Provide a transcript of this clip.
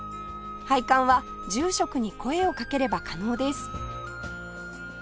拝観は住職に声をかければ可能です